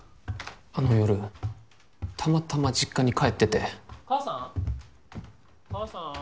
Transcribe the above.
あの夜たまたま実家に帰ってて母さん？母さん？